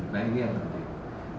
nah ini yang penting